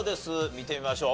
見てみましょう。